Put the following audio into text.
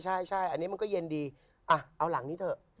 ใช่อันนี้มันก็เย็นดีเอาหลังนี้เถอะ